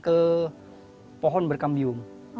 ke pohon berkambium